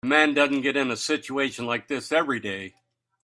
A man doesn't get in a situation like this every day.